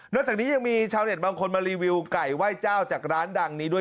นอกจากนี้มีชาวเนตภูบางคนมารีวิวกล่ายไหว่เจ้าจากร้านดังนี้ด้วย